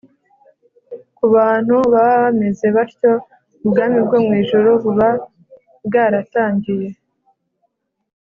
ku bantu baba bameze batyo, ubwami bwo mu ijuru buba bwaratangiye